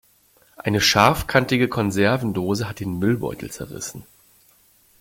Eine scharfkantige Konservendose hat den Müllbeutel zerrissen.